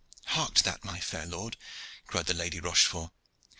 "Hark to that, my fair lord," cried the Lady Rochefort.